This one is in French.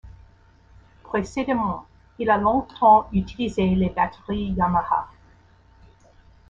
Précédemment, il a longtemps utilisé les batteries Yamaha.